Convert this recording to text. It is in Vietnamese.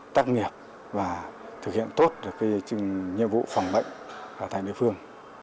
tác nghiệp và thực hiện tốt được nhiệm vụ phòng bệnh tại địa phương